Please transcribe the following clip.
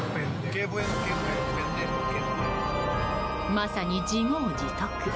まさに自業自得。